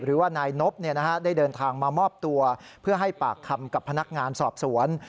หรือว่านายนบได้เดินทางมามอบตัวเพื่อให้ปากคำกับพนักงานสอบสวน